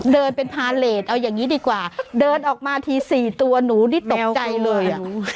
เดินเป็นพาเลสเอาอย่างนี้ดีกว่าเดินออกมาที๔ตัวหนูนี่ตกใจเลย